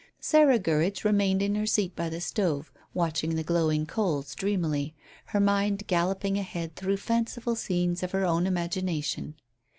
Sarah Gurridge remained in her seat by the stove watching the glowing coals dreamily, her mind galloping ahead through fanciful scenes of her own imagination.